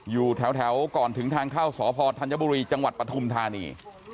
อยู่แถวก่อนถึงทางเข้าสพธัญบุรีจังหวัดปฐุมธานี